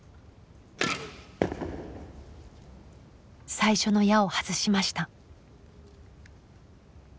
最初の矢を外しました。